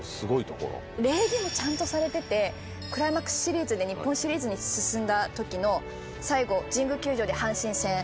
礼儀もちゃんとされててクライマックスシリーズで日本シリーズに進んだ時の最後神宮球場で阪神戦。